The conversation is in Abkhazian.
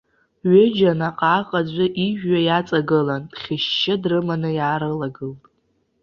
Ҩыџьа наҟ-ааҟ аӡәы ижәҩа иаҵагылан, дхьышьшьы, дрыманы иаарылагылт.